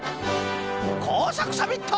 こうさくサミット！